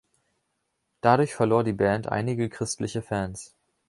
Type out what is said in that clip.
Dadurch verlor die Band einige christliche Fans.